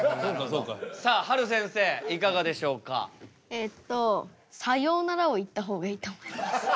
えっと「さようなら」を言った方がいいと思います。